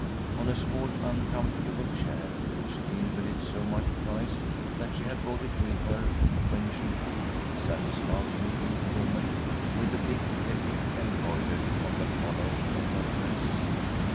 On a small uncomfortable chair, which the invalid so much prized that she had brought it with her when she moved, sat a stoutly^built woman, with a big " F " embroidered on the collar of her dress.